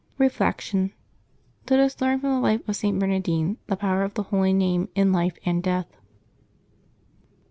Reflection. — Let us learn from the life of St. Bernardine the power of the Holy Name in life and death.